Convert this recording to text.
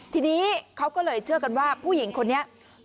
ทีนี้เขาก็เลยเชื่อกันว่าผู้หญิงคนนี้